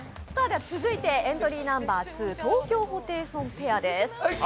続いてエントリーナンバー２東京ホテイソンペアです。